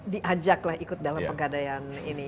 diajaklah ikut dalam pegadaian ini